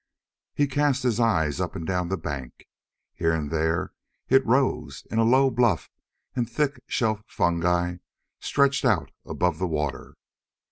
He cast his eyes up and down the bank. Here and there it rose in a low bluff and thick shelf fungi stretched out above the water.